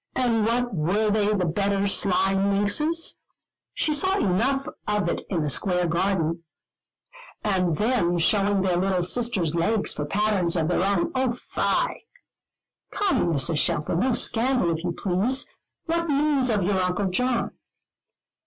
And what were they the better, sly minxes? She saw enough of it in the Square garden, and them showing their little sisters' legs for patterns of their own, oh fie!" "Come, Mrs. Shelfer, no scandal, if you please. What news of your Uncle John?"